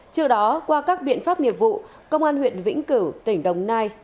trước đó qua các biện pháp nghiệp vụ công an huyện vĩnh cửu tỉnh đồng nai